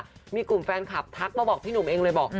ทรัพย์คลุมฟานคลับทักมาบอกพี่หนุ่มเองเลยบอก